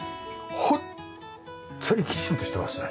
ホンットにきちんとしてますね。